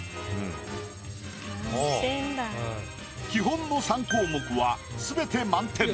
基本の３項目は全て満点。